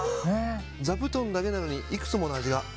座布団だけなのにいくつもの味が。